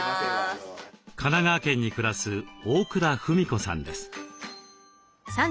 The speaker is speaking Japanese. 神奈川県に暮らす大倉芙美子さんです。